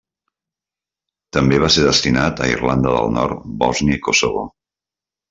També va ser destinat a Irlanda del Nord, Bòsnia i Kosovo.